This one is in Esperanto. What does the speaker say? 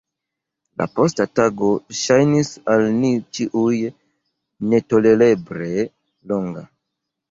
La posta tago ŝajnis al ni ĉiuj netolereble longa.